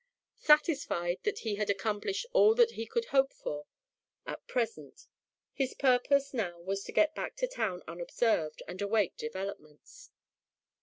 Satisfied that he had accomplished all that he could hope for at present, his purpose now was to get back to town unobserved and await developments.